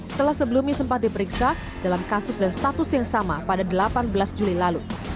setelah sebelumnya sempat diperiksa dalam kasus dan status yang sama pada delapan belas juli lalu